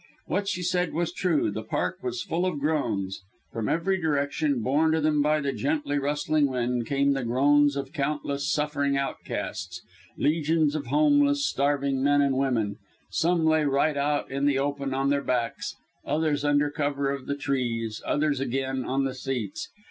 What she said was true the Park was full of groans. From every direction, borne to them by the gently rustling wind, came the groans of countless suffering outcasts legions of homeless, starving men and women. Some lay right out in the open on their backs, others under cover of the trees, others again on the seats.